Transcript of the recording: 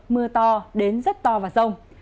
mưa to đến rất to và rông